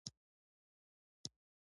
بیا هغه ملا راپاڅېد چې دعاګانې یې کړې وې.